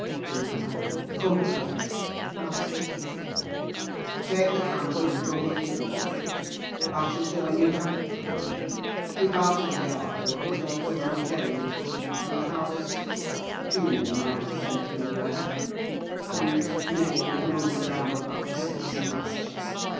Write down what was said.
"Delightful company!" muttered Heathcliff. "Take the candle, and go where you please. I shall join you directly. Keep out of the yard, though, the dogs are unchained; and the house—Juno mounts sentinel there, and—nay, you can only ramble about the steps and passages.